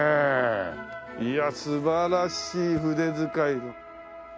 いや素晴らしい筆遣いで。